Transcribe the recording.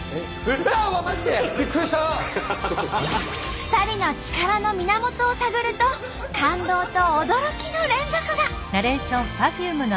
２人の力の源を探ると感動と驚きの連続が。